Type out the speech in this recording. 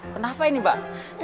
kenapa ini pak